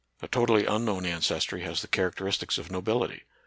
A totally unknown ancestry has the characteristics of nobility.